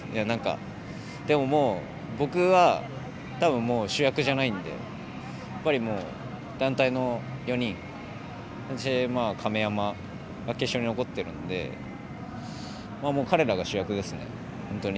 でも、僕はたぶんもう主役じゃないんでやっぱり、団体の４人亀山が決勝に残ってるので彼らが主役ですね、本当に。